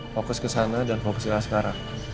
fokus ke sana dan fokus ke asgara